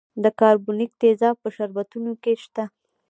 د کاربونیک تیزاب په شربتونو کې شته دی.